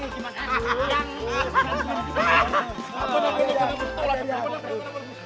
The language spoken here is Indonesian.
ntar aku langsung nambah